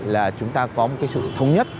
là chúng ta có một cái sự thống nhất